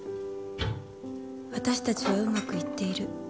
私たちはうまくいっている。